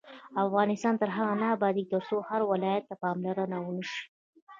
افغانستان تر هغو نه ابادیږي، ترڅو هر ولایت ته پاملرنه ونشي.